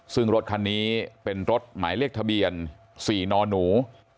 ซึ่งรถคันนี้เป็นรถหมายเลขทะเบียน๔นหนู